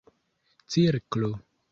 cirklo